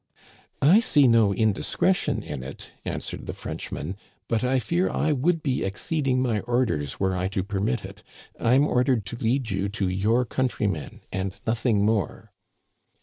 I see no indiscretion in it," answered the French man," but I fear I would be exceeding my orders were I to permit it. I am ordered to lead you to your country men and nothing more."